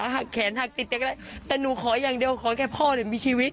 หักแขนหักติดใจก็ได้แต่หนูขออย่างเดียวขอแค่พ่อเนี่ยมีชีวิต